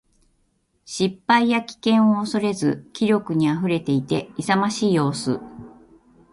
失敗や危険を恐れず気力に溢れていて、勇ましい様子。